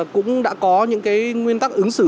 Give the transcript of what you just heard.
cũng đã có những nguyên tắc ứng xử